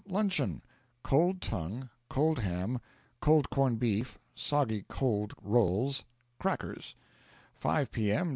luncheon: cold tongue, cold ham, cold corned beef, soggy cold rolls, crackers; 5 P.M.